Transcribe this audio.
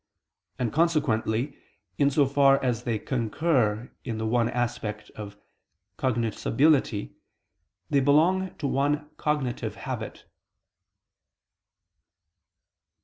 And consequently in so far as they concur in the one aspect of cognoscibility, they belong to one cognitive habit.